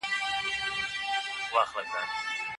موږ به بریالي کيږو.